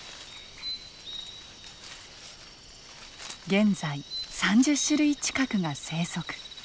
現在３０種類近くが生息。